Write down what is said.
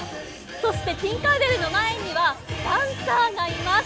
そしてティンカー・ベルの前にはダンサーがいます。